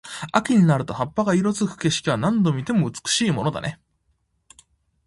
秋になると葉っぱが色付く景色は、何度見ても美しいものだね。